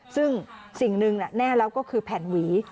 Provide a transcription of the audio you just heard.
ซึ่งสิ่งหนึ่งแน่แล้วก็คือแผ่นหวี